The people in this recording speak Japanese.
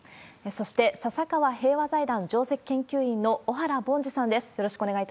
そして笹川平和財団上席研究員の小原凡司さんです。